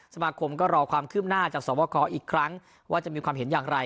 สมาคมก็รอความคืบหน้าจากสวบคอีกครั้งว่าจะมีความเห็นอย่างไร